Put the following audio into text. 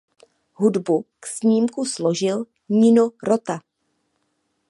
Hudbu k snímku složil Nino Rota.